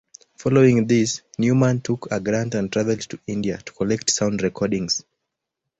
Following this, Newman took a grant and travelled to India to collect sound recordings.